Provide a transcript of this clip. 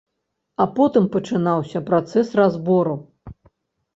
А потым пачынаўся працэс разбору.